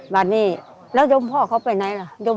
แบบนี้แล้วเจ้าพ่อเขาไปไหนล่ะ